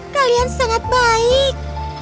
kalian sangat baik